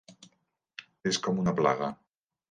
És com una plaga.